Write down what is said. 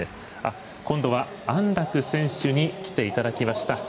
今度は安楽選手に来ていただきました。